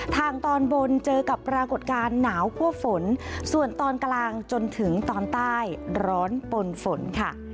ทางตอนบนเจอกับปรากฏการณ์หนาวคั่วฝนส่วนตอนกลางจนถึงตอนใต้ร้อนปนฝนค่ะ